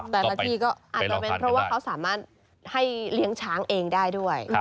แต่ละที่ก็อาจจะเป็นเพราะว่าเขาสามารถให้เลี้ยงช้างเองได้ด้วย